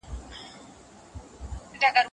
د صابون تولید اوس هم مخ په زیاتېدو دی.